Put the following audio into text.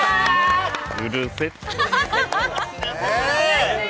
うるせっ！